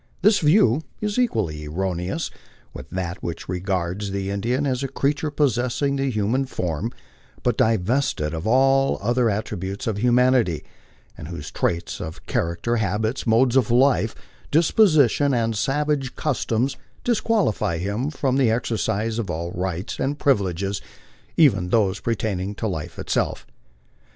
This view is equally erroneous with that which regards the Indian as a creature possessing the human form but divested of all other at tributes of humanity, and whose traits of character, habits, modes of life, dis position, and savage customs disqualify him from the exercise of all rights and privileges, even those pertaining to life itself.